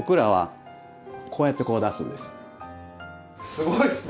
すごいですね。